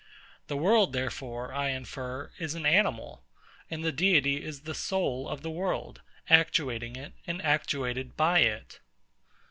The world, therefore, I infer, is an animal; and the Deity is the SOUL of the world, actuating it, and actuated by it.